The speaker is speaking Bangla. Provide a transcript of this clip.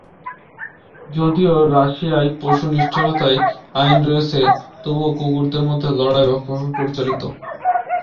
যদিও রাশিয়ায় পশু নিষ্ঠুরতার আইন রয়েছে, তবুও কুকুরদের মধ্যে লড়াই ব্যাপকভাবে প্রচলিত।